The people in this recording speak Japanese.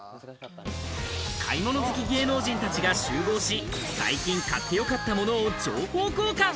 買い物好き芸能人たちが集合し、最近買ってよかったものを情報交換。